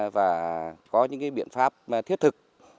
và có những cái biện pháp thiết thực